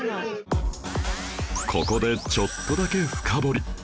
ここでちょっとだけ深掘り